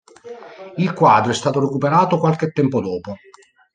Il quadro è stato recuperato qualche tempo dopo.